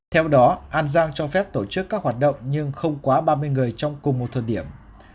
theo đó an giang cho phép tổ chức các hoạt động nhưng không quá ba mươi người trong cùng một thời điểm